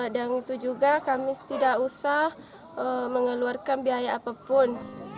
dan itu juga kami tidak usah mengeluarkan biaya apapun